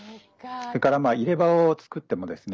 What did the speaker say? それから入れ歯を作ってもですね